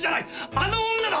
あの女だ！